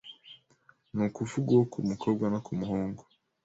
ni ukuvuga uwo ku mukobwa no ku muhungu